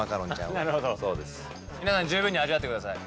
皆さん十分に味わってください。